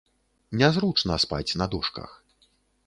Нязручна спаць на дошках.